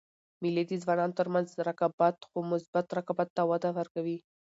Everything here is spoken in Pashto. مېلې د ځوانانو تر منځ رقابت؛ خو مثبت رقابت ته وده ورکوي.